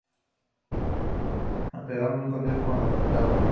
Nos quedamos muy contentos con el resultado.